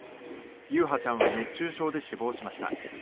優陽ちゃんは熱中症で死亡しました。